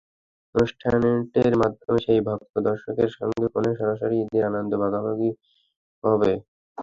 অনুষ্ঠানটির মাধ্যমে সেই ভক্ত, দর্শকের সঙ্গে ফোনে সরাসরি ঈদের আনন্দ ভাগাভাগি হবে।